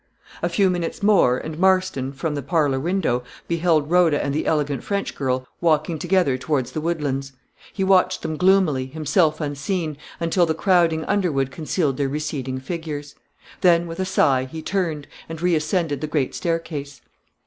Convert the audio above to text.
A few minutes more, and Marston, from the parlor window, beheld Rhoda and the elegant French girl walking together towards the woodlands. He watched them gloomily, himself unseen, until the crowding underwood concealed their receding figures. Then, with a sigh, he turned, and reascended the great staircase.